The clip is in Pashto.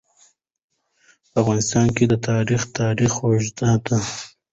په افغانستان کې د تاریخ تاریخ اوږد دی.